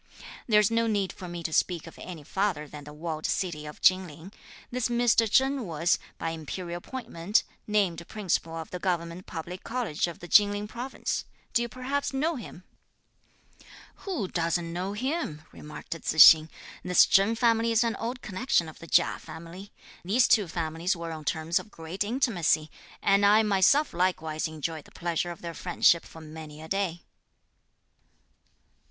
There's no need for me to speak of any farther than the walled city of Chin Ling. This Mr. Chen was, by imperial appointment, named Principal of the Government Public College of the Chin Ling province. Do you perhaps know him?" "Who doesn't know him?" remarked Tzu hsing. "This Chen family is an old connection of the Chia family. These two families were on terms of great intimacy, and I myself likewise enjoyed the pleasure of their friendship for many a day."